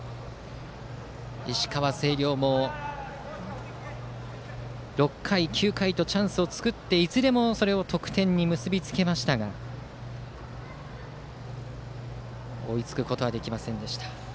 石川・星稜も６回、９回とチャンスを作っていずれもそれを得点に結び付けましたが追いつくことはできませんでした。